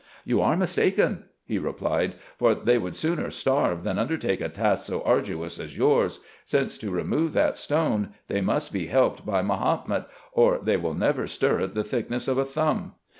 " You are mistaken," he replied, " for they would sooner starve than un dertake a task so arduous as yours ; since, to remove that stone, they must be helped by Mahomet, or they will never stir it the thickness of a thumb.